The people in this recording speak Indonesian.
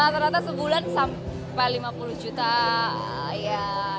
ternyata sebulan sampai lima puluh juta